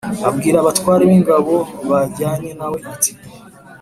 abwira abatware b’ingabo bajyanye na we ati